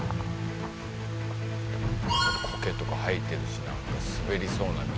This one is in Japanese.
コケとか生えてるし滑りそうな道！